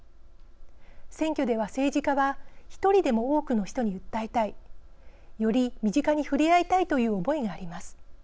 選挙では政治家は１人でも多くの人に訴えたいより身近にふれあいたいという思いがあります。